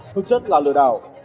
thực chất là lừa đảo